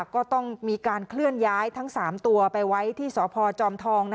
ก็ต้องมีการเคลื่อนย้ายทั้ง๓ตัวไปไว้ที่สพจอมทอง